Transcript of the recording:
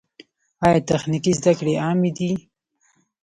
آیا تخنیکي زده کړې عامې دي؟